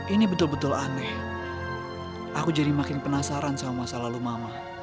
ini betul betul aneh aku jadi makin penasaran sama masa lalu mama